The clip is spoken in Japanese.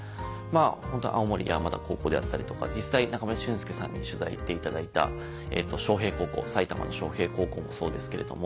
ホントに青森山田高校であったりとか実際中村俊輔さんに取材行っていただいた埼玉の昌平高校もそうですけれども。